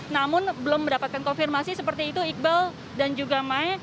namun belum mendapatkan konfirmasi seperti itu iqbal dan juga mai